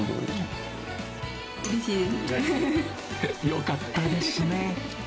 よかったですね。